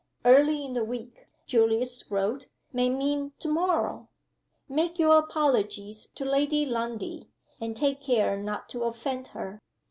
"Early in the week," Julius wrote, "may mean to morrow. Make your apologies to Lady Lundie; and take care not to offend her.